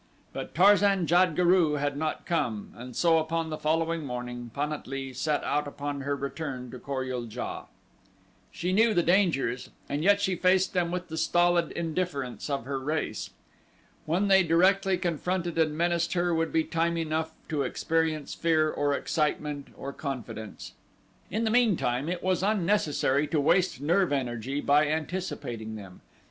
But Tarzan jad guru had not come, and so upon the following morning Pan at lee set out upon her return to Kor ul JA. She knew the dangers and yet she faced them with the stolid indifference of her race. When they directly confronted and menaced her would be time enough to experience fear or excitement or confidence. In the meantime it was unnecessary to waste nerve energy by anticipating them.